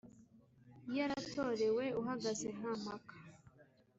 yaratorewe uhagaze nta mpaka